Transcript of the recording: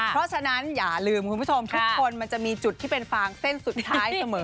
เพราะฉะนั้นอย่าลืมคุณผู้ชมทุกคนมันจะมีจุดที่เป็นฟางเส้นสุดท้ายเสมอ